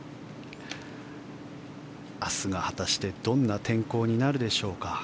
明日が果たしてどんな天候になるでしょうか。